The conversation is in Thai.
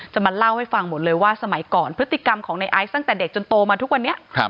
มาเล่าให้ฟังหมดเลยว่าสมัยก่อนพฤติกรรมของในไอซ์ตั้งแต่เด็กจนโตมาทุกวันนี้